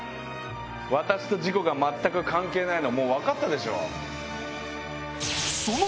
私と事故が全く関係ないのはもう分かったでしょ？